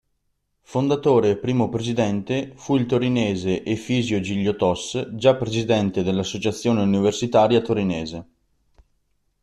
Fondatore, e primo presidente, fu il torinese Efisio Giglio-Tos, già presidente dell'Associazione Universitaria Torinese.